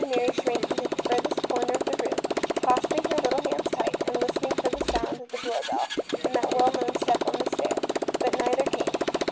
Mary shrank into the farthest corner of the room, clasping her little hands tight, and listening for the door bell and that well known step on the stair. But neither came.